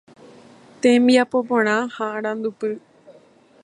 Tembiapoporã ha Arandupy